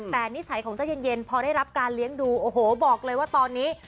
แต่นิสัยของเจ้าเย็นพอได้รับการเลี้ยงดูโอ้โหบอกเลยว่าตอนนี้